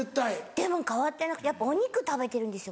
でも変わってなくてやっぱお肉食べてるんですよ